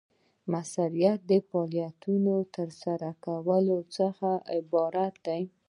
مؤثریت د فعالیتونو د ترسره کولو څخه عبارت دی.